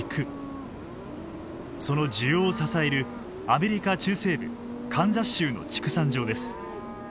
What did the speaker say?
その需要を支えるアメリカ中西部カンザス州の畜産場です。